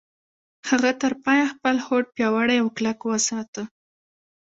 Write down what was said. هغه تر پايه خپل هوډ پياوړی او کلک وساته.